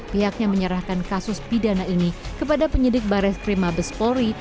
pihaknya menyerahkan kasus pidana ini kepada penyedik bares krim abespori